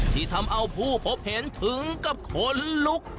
ที่ทำเอาผู้พบเห็นถึงกับขนลุก